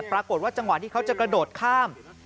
ปรากฏว่าจังหวะที่เขาจะกระโดดข้าม